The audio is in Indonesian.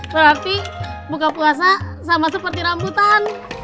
berarti buka puasa sama seperti rambutan